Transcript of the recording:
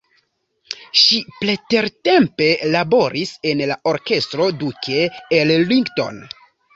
Ŝi pretertempe laboris en la Orkestro Duke Ellington.